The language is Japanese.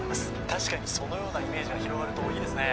確かにそのようなイメージが広がるといいですね